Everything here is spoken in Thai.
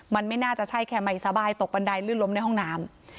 มันไม่น่าจะใช่แค่ไม่สบายตกบันไดลื่นล้มในห้องน้ำ